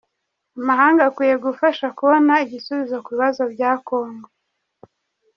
Amahanga akwiye gufasha kubona igisubizo ku bibazo bya Congo